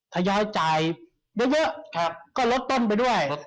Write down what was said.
ทยอยจ่ายเยอะก็ลดต้นไปด้วย